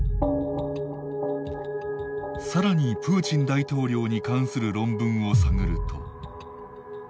さらにプーチン大統領に関する論文を探ると。